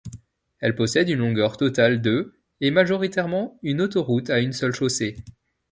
Elle possède une longueur totale de est majoritairement une autoroute à une seule chaussée.